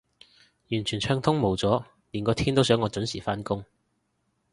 完全暢通無阻，連個天都想我準時返工